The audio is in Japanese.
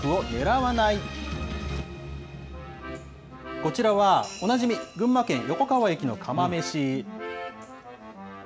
こちらは、おなじみ群馬県横川駅の釜めし。